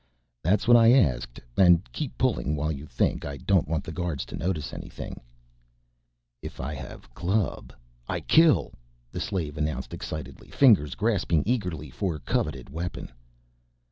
"That's what I asked. And keep pulling while you think, I don't want the guards to notice anything." "If I have club, I kill!" the slave announced excitedly, fingers grasping eagerly for coveted weapon.